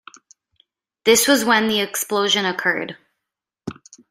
This was when the explosion occurred.